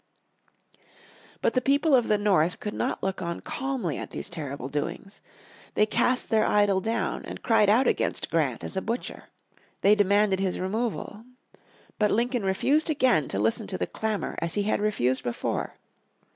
But the people of the North could not look on calmly at these terrible doings. They cast their idol down, and cried out against Grant as a "butcher." They demanded his removal. But Lincoln refused again to listen to the clamour as he had refused before.